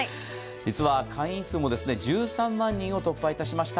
実は会員数も１３万人を突破しました。